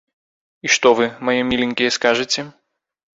І што вы, мае міленькія, скажаце?